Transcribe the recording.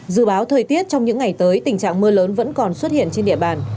dự báo thời tiết trong những ngày tới tình trạng mưa lớn vẫn còn xuất hiện trên địa bàn